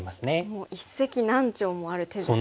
もう一石何鳥もある手ですね。